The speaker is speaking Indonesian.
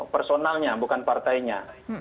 personalnya bukan partainya